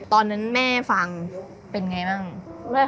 ตอนนั้นแม่ฟังเป็นไงบ้าง